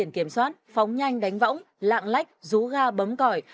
tiền kiểm soát phóng nhanh đánh võng lạng lách rú ga bấm cỏi